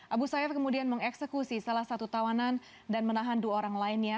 abu sayyaf kemudian mengeksekusi salah satu tawanan dan menahan dua orang lainnya